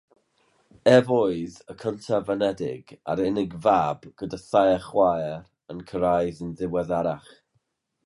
Ef oedd y cyntaf-anedig, a'r unig fab gyda thair chwaer yn cyrraedd yn ddiweddarach.